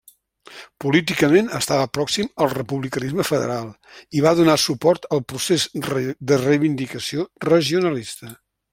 Políticament estava pròxim al republicanisme federal i va donar suport al procés de reivindicació regionalista.